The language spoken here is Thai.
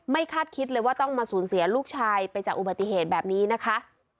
คาดคิดเลยว่าต้องมาสูญเสียลูกชายไปจากอุบัติเหตุแบบนี้นะคะ